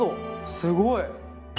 すごい！